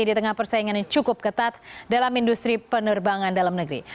di tengah persaingan yang cukup ketat dalam industri penerbangan dalam negeri